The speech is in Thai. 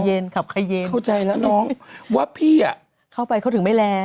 เย็นขับใครเย็นน้องว่าพี่อะเข้าไปเขาถึงไม่แล